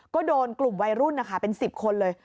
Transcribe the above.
ก็โดนกลุ่มวัยรุ่นนะคะเป็น๑๐คนเลย